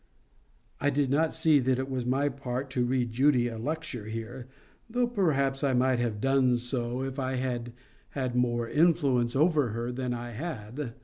I did not see that it was my part to read Judy a lecture here, though perhaps I might have done so if I had had more influence over her than I had.